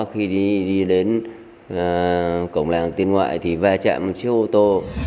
khi đi đến cổng làng tiên ngoại thì vai chạm một chiếc ô tô